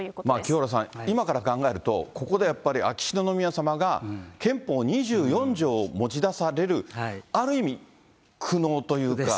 清原さん、今から考えると、ここでやっぱり、秋篠宮さまが憲法２４条を持ち出される、ある意味、苦悩というか。